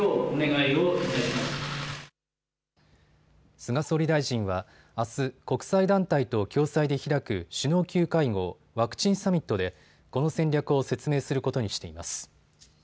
菅総理大臣はあす、国際団体と共催で開く首脳級会合、ワクチンサミットでこの戦略を説明することにしています。